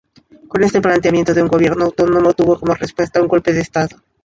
Con este planteamiento de un gobierno autónomo tuvo como respuesta un golpe de estado.